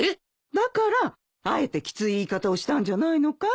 だからあえてきつい言い方をしたんじゃないのかい。